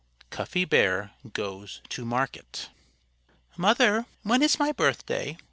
XII CUFFY BEAR GOES TO MARKET "Mother! When is my birthday?"